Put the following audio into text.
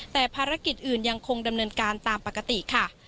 แต่ภารกิจอื่นยังคงดำเนินการตามปกติค่ะ